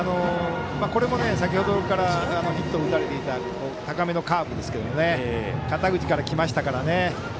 これも先ほどからヒットを打たれていた高めのカーブですけど肩口からきましたから。